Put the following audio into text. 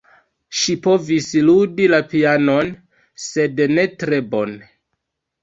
Ŝi povis ludi la pianon, sed ne tre bone.